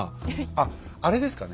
あっあれですかね